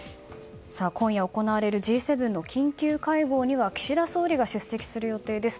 今夜行われるＧ７の緊急会合には岸田総理が出席する予定です。